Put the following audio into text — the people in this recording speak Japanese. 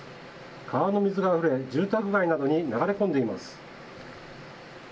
川の水があふれ、住宅街などに流れ込んでいます。